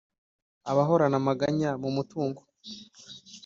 abahorana amaganya mu mutungo